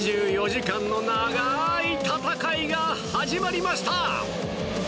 ２４時間の長い戦いが始まりました。